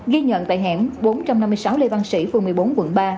ghi nhận tại hẻm bốn trăm năm mươi sáu lê văn sĩ phường một mươi bốn quận ba